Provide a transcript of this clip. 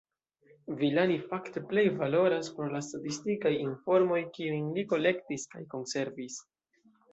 Villani fakte plej valoras pro la statistikaj informoj, kiujn li kolektis kaj konservis.